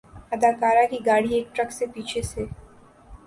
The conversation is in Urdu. اداکارہ کی گاڑی ایک ٹرک سے پیچھے سے